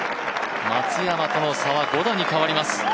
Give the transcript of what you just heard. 松山との差は５打に変わります。